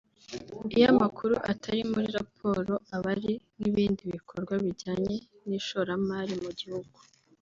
Iyo amakuru atari muri raporo aba ari nk’ibindi bikorwa bijyanye n’ishoramari mu gihugu